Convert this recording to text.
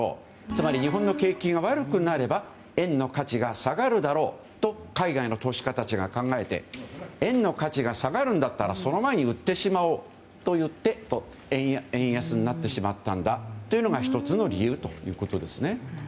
つまり日本の景気が悪くなれば円の価値が下がるだろうと海外の投資家たちが考えて円の価値が下がるんだったらその前に売ってしまおうといって円安になってしまったんだというのが１つの理由ということです。